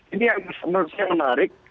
ini yang menarik